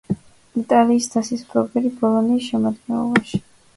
იტალიის თასის მფლობელი „ბოლონიის“ შემადგენლობაში.